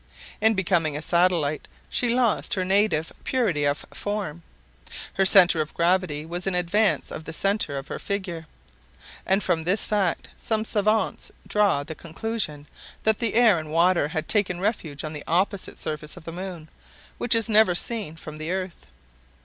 In becoming a satellite, she lost her native purity of form; her center of gravity was in advance of the center of her figure; and from this fact some savants draw the conclusion that the air and water had taken refuge on the opposite surface of the moon, which is never seen from the earth.